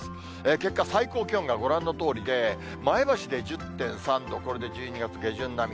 結果、最高気温がご覧のとおりで、前橋で１０．３度、これで１２月下旬並み。